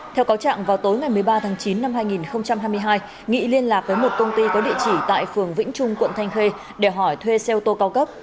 theo cáo trạng vào tối ngày một mươi ba tháng chín năm hai nghìn hai mươi hai nghị liên lạc với một công ty có địa chỉ tại phường vĩnh trung quận thanh khê để hỏi thuê xe ô tô cao cấp